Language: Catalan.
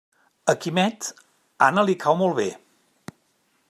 A Quimet, Anna li cau molt bé.